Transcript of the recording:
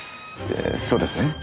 えーそうですね。